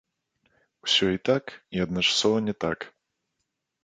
Усё і так, і адначасова не так.